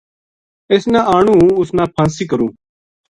اس ناآنوں ہوں اُس نا پھانسی کروں